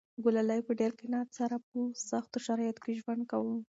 ګلالۍ په ډېر قناعت سره په سختو شرایطو کې ژوند کاوه.